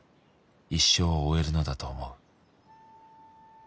「一生を終えるのだと思う」